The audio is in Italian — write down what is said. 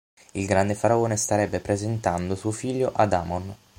Il grande faraone starebbe presentando suo figlio ad Amon.